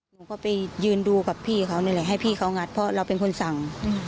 หนูก็ไปยืนดูกับพี่เขานี่แหละให้พี่เขางัดเพราะเราเป็นคนสั่ง